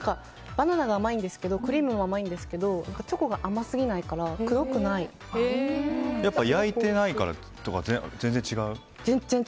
バナナが甘くてクリームも甘いんですけどチョコが甘すぎないから焼いてないから全然違う？